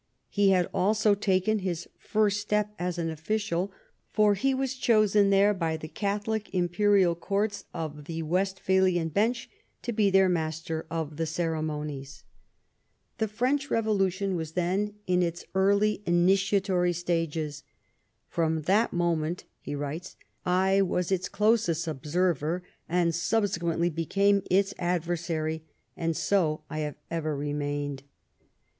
He had also taken his first step as an official, for he was chosen there by the Catholic Imperial Courts of the Westphalian llench to be their Master of the Ceremonies. The French: EABLY TRAINING. 5 Hevolution was then in its early initiatory stages. *^ From that moment," he writes, " I was its closest observer, and subsequently became its adversary ; and so I have ever remained."